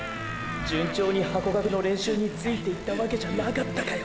順調にハコガクの練習についていったワケじゃなかったかよ。